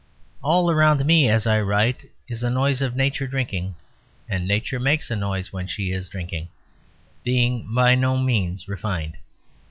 All around me as I write is a noise of Nature drinking: and Nature makes a noise when she is drinking, being by no means refined.